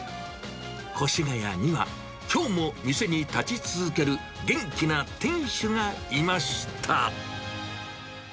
越谷には、きょうも店に立ち続ける元気な店主がいました。